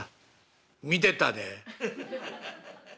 「見てたで。